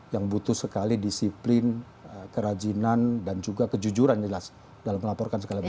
yang butuh sekali disiplin kerajinan dan juga kejujuran jelas dalam melaporkan segala macam